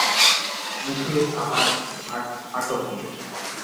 মুখের আমার আটক নেই!